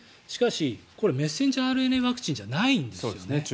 しかし、メッセンジャーＲＮＡワクチンじゃないんですね。